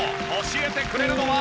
教えてくれるのは。